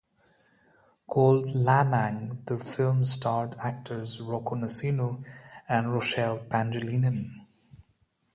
Called "Lam-Ang", the film starred actors Rocco Nacino and Rochelle Pangilinan.